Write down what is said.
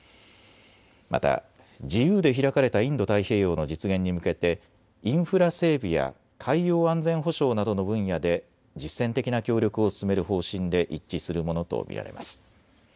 また自由で開かれたインド太平洋の実現に向けてインフラ整備や海洋安全保障などの分野で実践的な協力を進める方針で一致するものと見られます。